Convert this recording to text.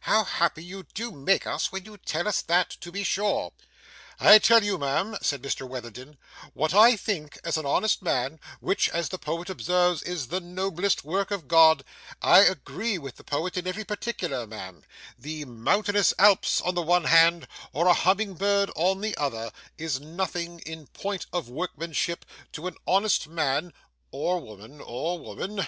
'How happy you do make us when you tell us that, to be sure!' 'I tell you, ma'am,' said Mr Witherden, 'what I think as an honest man, which, as the poet observes, is the noblest work of God. I agree with the poet in every particular, ma'am. The mountainous Alps on the one hand, or a humming bird on the other, is nothing, in point of workmanship, to an honest man or woman or woman.